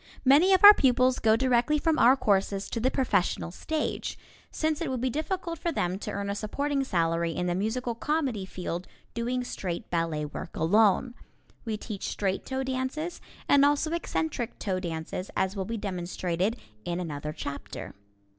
Many of our pupils go directly from our courses to the professional stage, since it would be difficult for them to earn a supporting salary in the musical comedy field doing straight ballet work alone. We teach straight toe dances, and also eccentric toe dances, as will be demonstrated in another chapter.